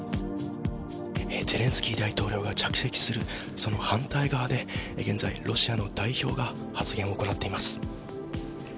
ゼレンスキー大統領が着席するその反対側で現在、ロシアの代表が発言を行っています。